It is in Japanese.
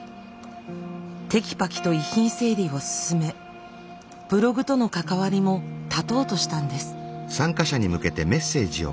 てきぱきと遺品整理を進めブログとの関わりもたとうとしたんです。